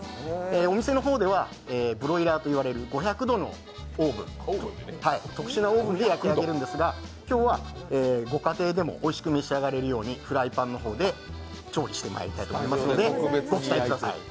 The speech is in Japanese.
お店の方でではブロイラーと呼ばれる５００度の、特殊なオーブンで焼き上げるんですが、今日はご家庭でもおいしく召し上がれるようにフライパンの方で調理してまいりたいと思いますのでご期待ください。